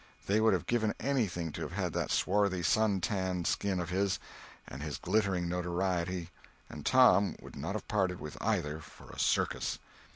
They would have given anything to have that swarthy sun tanned skin of his, and his glittering notoriety; and Tom would not have parted with either for a circus.